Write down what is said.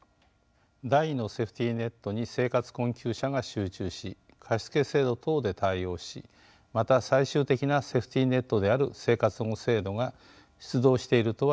第２のセーフティーネットに生活困窮者が集中し貸付制度等で対応しまた最終的なセーフティーネットである生活保護制度が出動しているとは言えない状況にあります。